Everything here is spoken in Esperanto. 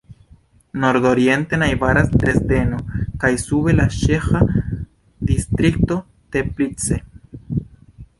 Nordoriente najbaras Dresdeno kaj sude la ĉeĥa distrikto Teplice.